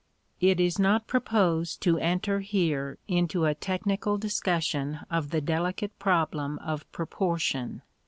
It is not proposed to enter here into a technical discussion of the delicate problem of proportion.